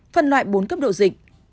phân loại bốn cấp độ dịch